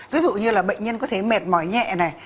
ví dụ như là bệnh nhân có thể mệt mỏi nhẹ này